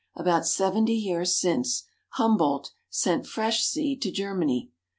About seventy years since, HUMBOLDT sent fresh seed to Germany.